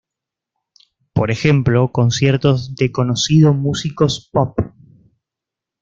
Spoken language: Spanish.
Por ejemplo, conciertos de conocido músicos pop.